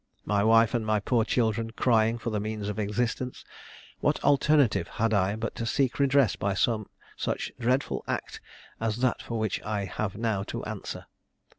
My wife and my poor children crying for the means of existence, what alternative had I but to seek redress by some such dreadful act as that for which I have now to answer?